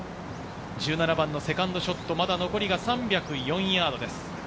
１７番のセカンドショット、まだ残りが３０４ヤードです。